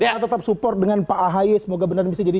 kita tetap support dengan pak ahy semoga benar bisa jadi